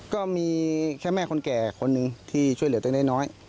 ก็มีแค่แม่คนแก่คนหนึ่งที่ช่วยเหลือตัวเองได้น้อย